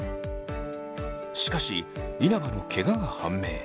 しかし稲葉のケガが判明。